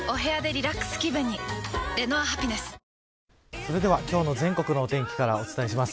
それでは、今日の全国のお天気からお伝えします。